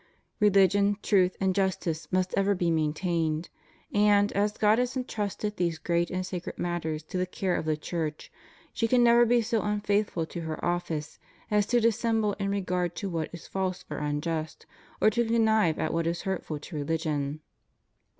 Religion, truth, and justice, must ever be maintained; and, as God has intrusted these ^reat and sacred matters to the caie of the Church, she can never be so unfaithful to her office as to dissemble in regard to what is false or unjust, or to con nive at what is hurtful to religion.